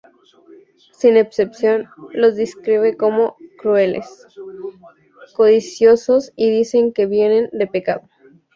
Sin excepción, los describe como crueles, codiciosos y dice que viven en pecado.